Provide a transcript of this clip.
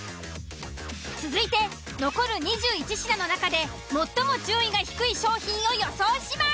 続いて残る２１品の中で最も順位が低い商品を予想します。